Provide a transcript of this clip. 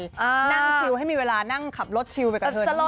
นั่งชิวให้มีเวลานั่งขับรถชิลไปกับเธอตลอด